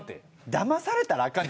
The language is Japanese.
だまされたらあかん。